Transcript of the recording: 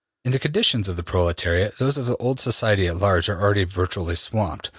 '' ``In the conditions of the proletariat, those of old society at large are already virtually swamped.